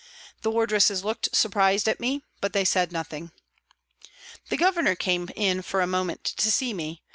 The wardresses looked surprised at me, but they said nothing. The Governor came in for a moment to see me.